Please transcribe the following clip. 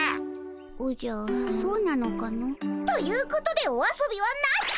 おじゃそうなのかの。ということでお遊びはなし。